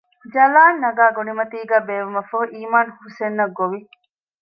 ޖަލާން ނަގައި ގޮޑިމަތީގައި ބޭއްވުމަށްފަހު އީމާން ހުސެންއަށް ގޮވި